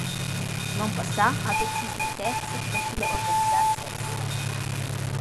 L’on passà ha decis la Terza da tilla organisar svess.